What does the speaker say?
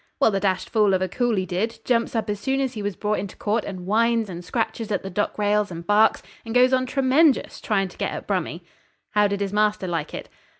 'Well, the dashed fool of a coolie did. Jumps up as soon as he was brought into court, and whines and scratches at the dock rails and barks, and goes on tremenjus, trying to get at Brummy.' 'How did his master like it?'